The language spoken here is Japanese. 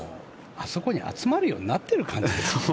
あそこに集まるようになってる感じですよね。